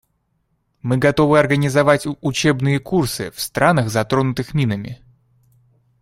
Мы готовы организовать учебные курсы в странах, затронутых минами.